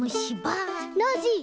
ノージー。